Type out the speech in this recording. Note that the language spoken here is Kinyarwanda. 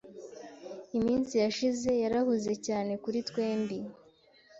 Iminsi yashize yarahuze cyane kuri twembi.